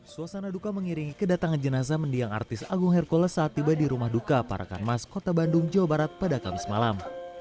suasana duka mengiringi kedatangan jenazah mendiang artis agung hercules saat tiba di rumah duka parakan mas kota bandung jawa barat pada kamis malam